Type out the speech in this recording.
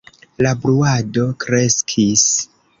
La bruado kreskis.